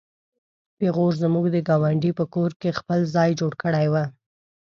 پيغو زموږ د ګاونډي په کور کې خپل ځای جوړ کړی و.